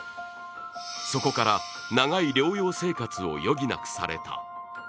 そこから長い療養生活を余儀なくされた。